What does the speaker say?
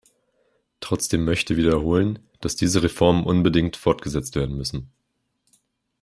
Trotzdem möchte wiederholen, dass diese Reformen unbedingt fortgesetzt werden müssen.